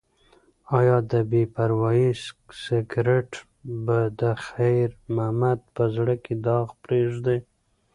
ایا د بې پروایۍ سګرټ به د خیر محمد په زړه کې داغ پریږدي؟